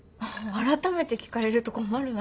改めて聞かれると困るな。